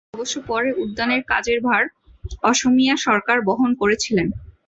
অবশ্য পরে উদ্যানের কাজের ভার অসমীয়া সরকার বহন করেছিলেন।